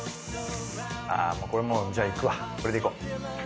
これもじゃあいくわこれでいこう。